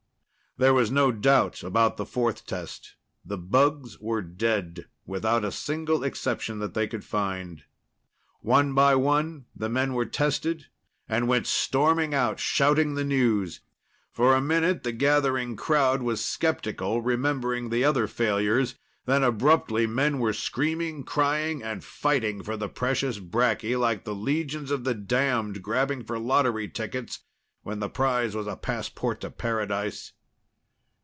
There was no doubt about the fourth test. The bugs were dead, without a single exception that they could find. One by one, the men were tested and went storming out, shouting the news. For a minute, the gathering crowd was skeptical, remembering the other failures. Then, abruptly, men were screaming, crying and fighting for the precious bracky, like the legions of the damned grabbing for lottery tickets when the prize was a passport to paradise.